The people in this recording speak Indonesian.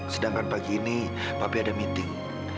sedangkan pagi ini papi ada meeting